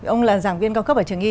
ông là giảng viên cao cấp ở trường y